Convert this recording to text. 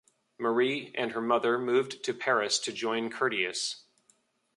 Marie and her mother moved to Paris to join Curtius.